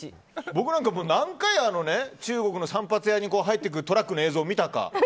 僕なんか、何回中国の散髪屋に入っていくトラックの映像を見たか。